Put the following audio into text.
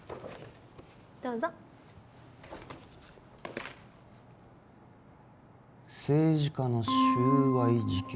どうぞ政治家の収賄事件